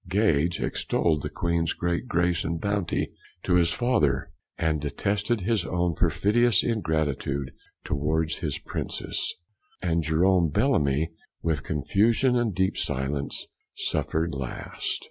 Gage extolled the Queen's great grace and bounty to his father, and detested his own perfidious ingratitude towards his Princess. And Jerome Bellamy, with confusion and deep silence, suffered last.